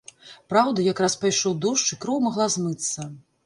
Праўда, якраз пайшоў дождж, і кроў магла змыцца.